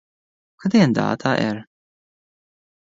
Cad é an dath atá air